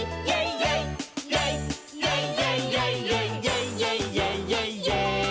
イェイイェイイェイイェイ」「イェイイェイイェイイェイイェイｙｅａｈ！！」